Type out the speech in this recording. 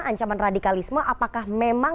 ancaman radikalisme apakah memang